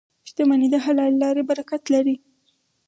• شتمني د حلالې لارې برکت لري.